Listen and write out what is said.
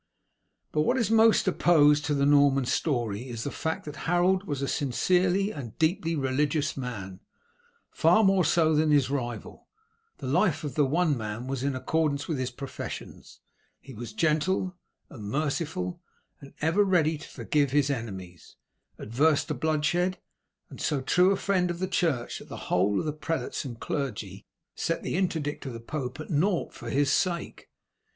But what is most opposed to the Norman story is the fact that Harold was a sincerely and deeply religious man, far more so than his rival. The life of the one man was in accordance with his professions he was gentle and merciful, ever ready to forgive his enemies, averse to bloodshed, and so true a friend of the church that the whole of the prelates and clergy set the interdict of the pope at naught for his sake.